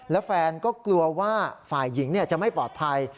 และแฟนก็กลัวว่าฝ่ายหญิงจะไม่ปลอดภัย